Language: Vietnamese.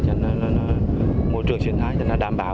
cho nên môi trường triển thái cho nên đảm bảo